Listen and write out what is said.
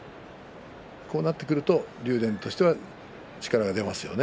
こうなってくると竜電としては力が出ますね。